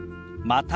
また。